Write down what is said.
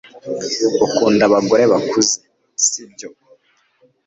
Ukunda abagore bakuze, sibyo?